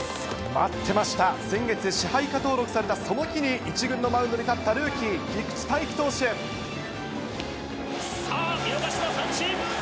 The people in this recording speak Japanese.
待ってました、先月、支配下登録されたその日に１軍のマウンドに立ったルーキー、さあ、見逃しの三振。